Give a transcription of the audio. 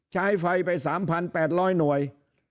ใช้ไฟไป๓๘๐๐หน่วย